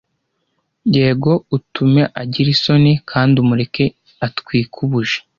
yego utume agira isoni kandi umureke atwike buji